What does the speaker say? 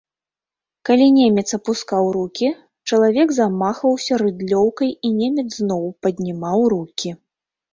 Калі немец апускаў рукі, чалавек замахваўся рыдлёўкай і немец зноў паднімаў рукі.